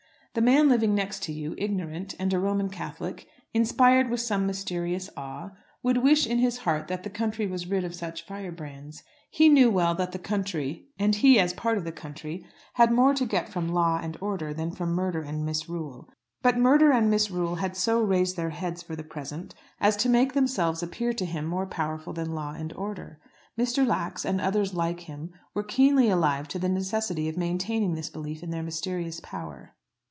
The man living next to you, ignorant, and a Roman Catholic, inspired with some mysterious awe, would wish in his heart that the country was rid of such fire brands. He knew well that the country, and he as part of the country, had more to get from law and order than from murder and misrule. But murder and misrule had so raised their heads for the present as to make themselves appear to him more powerful than law and order. Mr. Lax, and others like him, were keenly alive to the necessity of maintaining this belief in their mysterious power.